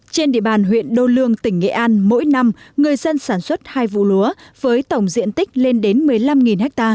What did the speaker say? trên địa bàn huyện đô lương tỉnh nghệ an mỗi năm người dân sản xuất hai vụ lúa với tổng diện tích lên đến một mươi năm ha